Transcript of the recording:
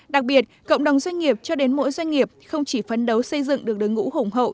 đặc biệt cộng đồng doanh nghiệp cho đến mỗi doanh nghiệp không chỉ phấn đấu xây dựng được đối ngũ hùng hậu